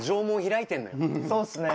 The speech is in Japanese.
そうっすね